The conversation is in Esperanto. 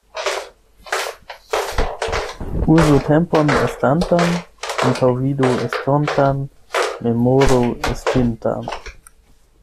Uzu tempon estantan, antaŭvidu estontan, memoru estintan.